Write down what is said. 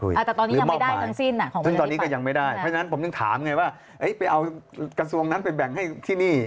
หรือมอบหมายซึ่งตอนนี้ก็ยังไม่ได้พร้อมนึงถามไงว่าไปเอากระทรวงนั้นไปแบ่งให้ที่นี่